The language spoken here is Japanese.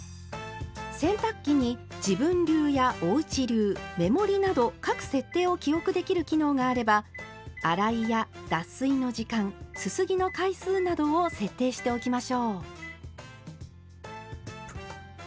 洗濯機に「自分流」や「おうち流」「メモリー」など各設定を記憶できる機能があれば洗いや脱水の時間すすぎの回数などを設定しておきましょう。